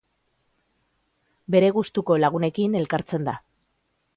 Bere gustuko lagunekin elkartzen da.